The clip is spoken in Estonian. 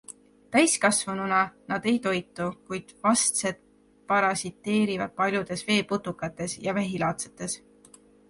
Täiskasvanuna nad ei toitu, kuid vastsed parasiteerivad paljudes veeputukates ja vähilaadsetes.